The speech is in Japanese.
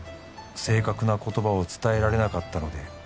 「正確な言葉を伝えられなかったので」